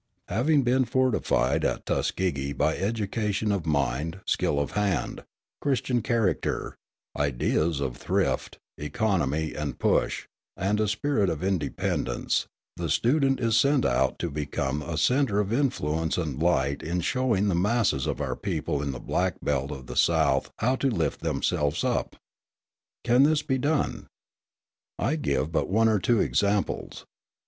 Having been fortified at Tuskegee by education of mind, skill of hand, Christian character, ideas of thrift, economy, and push, and a spirit of independence, the student is sent out to become a centre of influence and light in showing the masses of our people in the Black Belt of the South how to lift themselves up. Can this be done? I give but one or two examples.